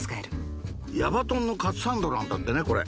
矢場とんのカツサンドなんだってねこれ。